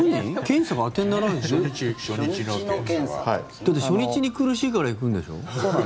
だって初日に苦しいから行くんでしょ？